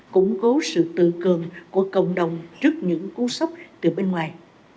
củng cố sự tự cường của cộng đồng trước những cú sốc từ bên ngoài